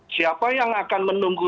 siapa yang akan menunggu